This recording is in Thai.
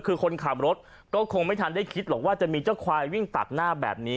คือคนขับรถก็คงไม่ทันได้คิดหรอกว่าจะมีเจ้าควายวิ่งตัดหน้าแบบนี้